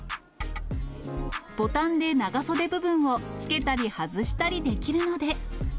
ボタンで長袖部分をつけたり外したりできるので。